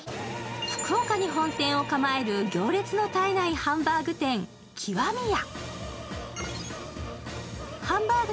福岡に本店を構える行列の絶えないハンバーグ店・極味や。